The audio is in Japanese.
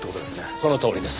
そのとおりです。